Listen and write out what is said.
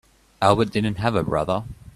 Albert didn't have a brother.